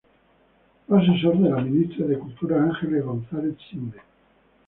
Fue asesor de la ministra de cultura Ángeles González-Sinde.